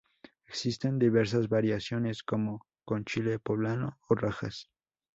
Existen diversas variaciones, como con chile poblano o rajas.